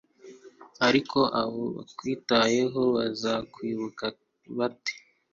ariko abo bakwitayeho bazakwibuka bate